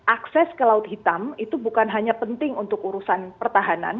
akses ke laut hitam itu bukan hanya penting untuk urusan pertahanan